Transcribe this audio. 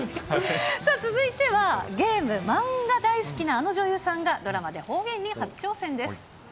さあ、続いては、ゲーム、漫画大好きなあの女優さんが、ドラマで方言に初挑戦です。